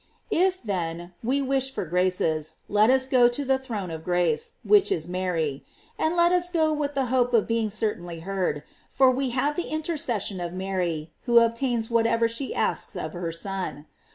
"§ If, then, we wish for graces, let U8 go to the throne of grace, which is Mary; and let us go with the hope of being certainly heard; for we have the intercession of Mary, who ob tains whatever she asks of her Son.